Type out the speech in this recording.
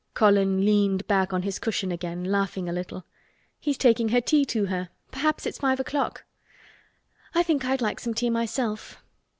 Colin leaned back on his cushion again, laughing a little. "He's taking her tea to her. Perhaps it's five o'clock. I think I'd like some tea myself."